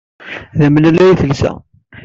D amellal ay telsa ass-a.